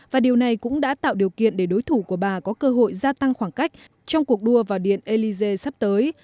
và điều này cũng đã tạo điều kiện để đối thủ của bà có cơ hội gia tăng khoảng cách trong cuộc đua vào điện élysée sắp tới